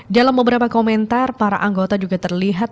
dalam beberapa komentar para anggota juga terlihat